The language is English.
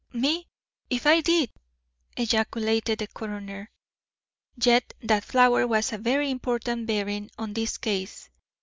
" me if I did!" ejaculated the coroner. "Yet that flower has a very important bearing on this case.